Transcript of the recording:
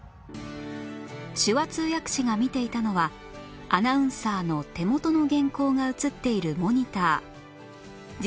手話通訳士が見ていたのはアナウンサーの手元の原稿が映っているモニター